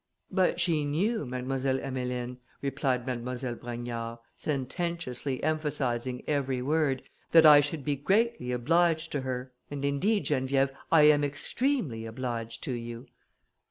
"But she knew, Mademoiselle Emmeline," replied Mademoiselle Brogniard, sententiously emphasising every word, "that I should be greatly obliged to her; and indeed, Geneviève, I am extremely obliged to you."